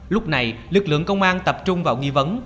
lúc này lực lượng công an tập trung vào nghi vấn